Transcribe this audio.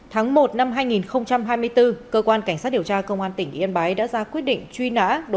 tháng một năm hai nghìn hai mươi bốn cơ quan cảnh sát điều tra công an tỉnh yên bái đã ra quyết định truy nã